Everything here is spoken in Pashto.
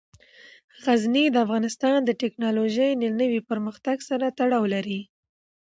غزني د افغانستان د تکنالوژۍ له نوي پرمختګ سره تړاو لري.